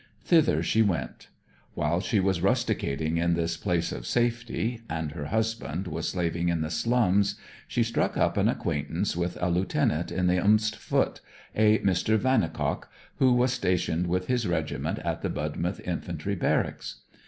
Thither she went. While she was rusticating in this place of safety, and her husband was slaving in the slums, she struck up an acquaintance with a lieutenant in the st Foot, a Mr. Vannicock, who was stationed with his regiment at the Budmouth infantry barracks.